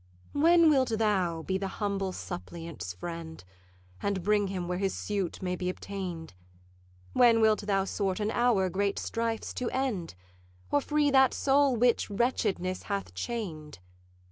'When wilt thou be the humble suppliant's friend, And bring him where his suit may be obtain'd? When wilt thou sort an hour great strifes to end? Or free that soul which wretchedness hath chain'd?